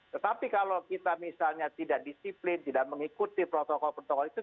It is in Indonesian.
tetapi kalau kita misalnya tidak disiplin tidak mengikuti protokol protokol itu